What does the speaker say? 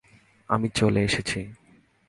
আমি চলে এসেছি!